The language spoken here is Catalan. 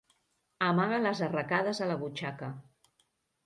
Amaga les arracades a la butxaca.